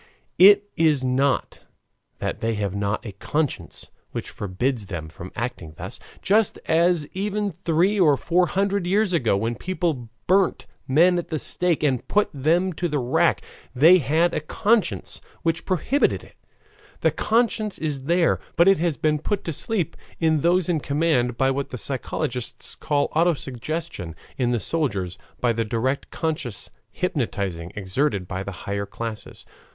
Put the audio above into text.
It is not that they have not a conscience which forbids them from acting thus, just as, even three or four hundred years ago, when people burnt men at the stake and put them to the rack they had a conscience which prohibited it; the conscience is there, but it has been put to sleep in those in command by what the psychologists call auto suggestion; in the soldiers, by the direct conscious hypnotizing exerted by the higher classes.